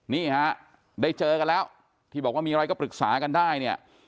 นี่ฮะได้เจอกันแล้วที่บอกว่ามีอะไรก็ปรึกษากันได้เนี่ย